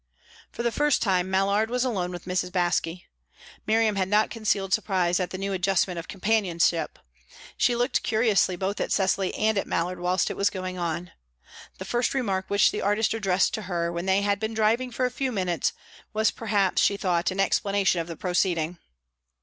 For the first time, Mallard was alone with Mrs. Baske. Miriam had not concealed surprise at the new adjustment of companionship; she looked curiously both at Cecily and at Mallard whilst it was going on. The first remark which the artist addressed to her, when they had been driving for a few minutes, was perhaps, she thought, an explanation of the proceeding.